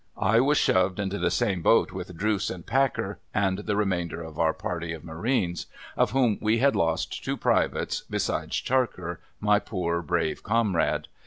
I was shoved into the same boat with Drooce and Packer, and the remainder of our party of marines : of whom we had lost two privates, besides Charker, my poor, brave comrade.